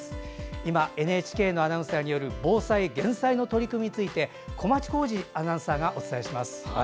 今、ＮＨＫのアナウンサーによる防災・減災の取り組みについて小松宏司アナウンサーがお伝えします。